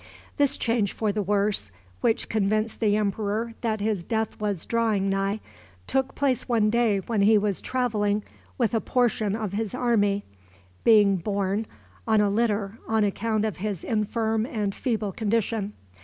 This change for the worse, which convinced the emperor that his death was drawing nigh, took place one day when he was traveling with a portion of his army, being borne on a litter on account of his infirm and feeble condition.